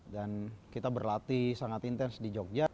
kita berlatih sangat intens di jogja